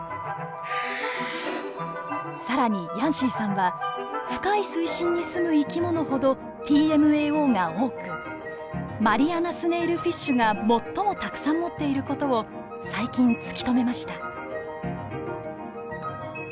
更にヤンシーさんは深い水深に住む生き物ほどＴＭＡＯが多くマリアナスネイルフィッシュが最もたくさん持っている事を最近突き止めました。